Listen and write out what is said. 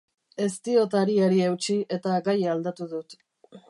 Ez diot hariari eutsi, eta gaia aldatu dut.